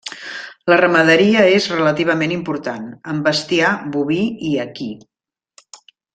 La ramaderia és relativament important, amb bestiar boví i equí.